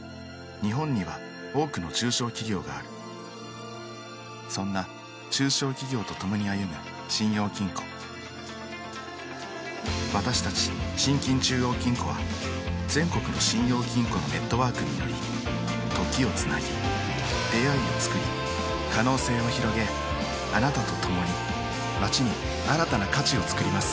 日本には多くの中小企業があるそんな中小企業とともに歩む信用金庫私たち信金中央金庫は全国の信用金庫のネットワークにより時をつなぎ出会いをつくり可能性をひろげあなたとともに街に新たな価値をつくります